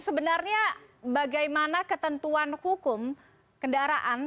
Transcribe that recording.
sebenarnya bagaimana ketentuan hukum kendaraan